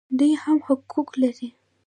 دوی هم حقوق لري